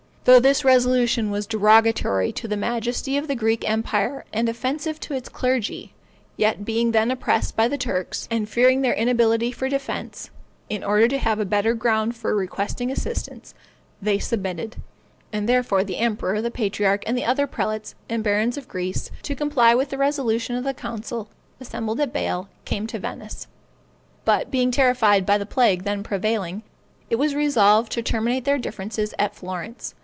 Though this resolution was derogatory to the majesty of the Greek empire, and offensive to its clergy, yet being then oppressed by the Turks, and fearing their inability for defense, in order to have a better ground for requesting assistance, they submitted; and therefore, the emperor, the patriarch, with other prelates and barons of Greece, to comply with the resolution of the council, assembled at Bâle, came to Venice; but being terrified by the plague then prevailing, it was resolved to terminate their differences at Florence.